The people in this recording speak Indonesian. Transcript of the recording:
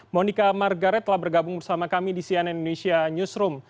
monika margaret telah bergabung bersama kami di cnn indonesia newsroom